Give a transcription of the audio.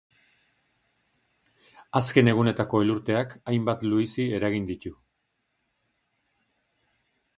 Azken egunetako elurteak hainbat luizi eragin ditu.